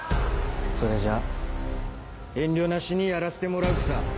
それじゃ遠慮なしにやらせてもらうくさ。